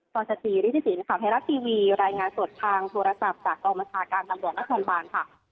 พศจริริทธิ์สินครับไทยรัฐทีวีรายงานสดทางโทรศัพท์จากกรมศาลการณ์ตำรวจนักฐนบาลค่ะ